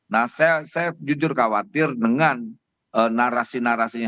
nah saya jujur khawatir dengan narasi narasinya